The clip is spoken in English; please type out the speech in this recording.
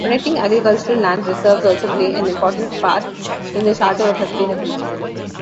Protecting agricultural land reserves also play an important part in the charter of sustainability.